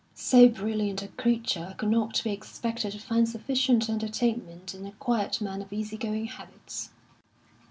So brilliant a creature could not be expected to find sufficient entertainment in a quiet man of easy going habits.